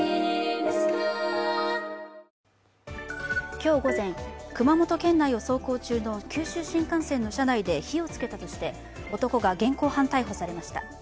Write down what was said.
今日午前、熊本県内を走行中の九州新幹線の車内で火をつけたとして、男が現行犯逮捕されました。